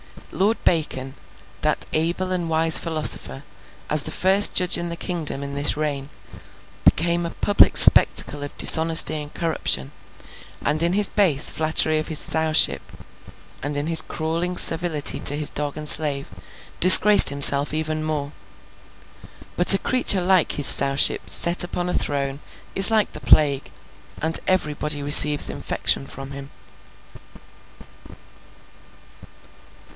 Lord Bacon, that able and wise philosopher, as the First Judge in the Kingdom in this reign, became a public spectacle of dishonesty and corruption; and in his base flattery of his Sowship, and in his crawling servility to his dog and slave, disgraced himself even more. But, a creature like his Sowship set upon a throne is like the Plague, and everybody receives infection from him.